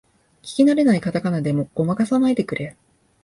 聞きなれないカタカナでごまかさないでくれ